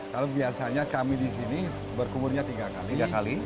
kalau biasanya kami di sini berkumurnya tiga kali